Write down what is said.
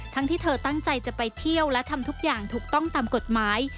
ที่เธอตั้งใจจะไปเที่ยวและทำทุกอย่างถูกต้องตามกฎหมาย